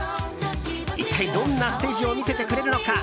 一体どんなステージを見せてくれるのか。